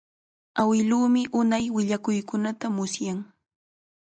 Awiluumi unay willakuykunata musyan.